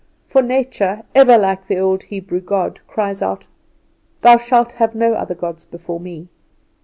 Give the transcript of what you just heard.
For Nature, ever, like the Old Hebrew God, cries out, "Thou shalt have no other gods before me."